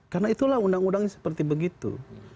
karena itulah undang undangnya seperti begitu